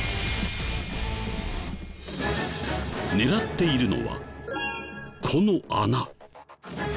狙っているのはこの穴。